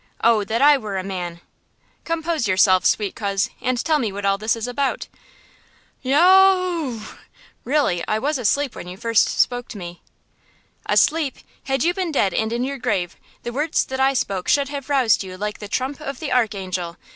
Oh that I were a man!" "Compose yourself, sweet coz, and tell me what all this is about! Yaw ooo!–really I was asleep when you first spoke to me!" "Asleep! Had you been dead and in your grave, the words that I spoke should have roused you like the trump of the archangel!"